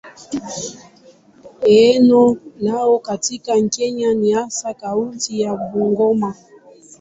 Eneo lao katika Kenya ni hasa kaunti ya Bungoma.